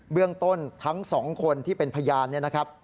เบื้องต้นทั้ง๒คนที่เป็นพยานนะครับ